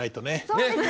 そうです。